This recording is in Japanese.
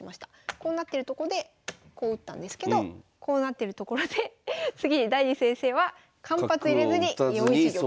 こうなってるとこでこう打ったんですけどこうなってるところで次にダニー先生は間髪いれずに４一玉と。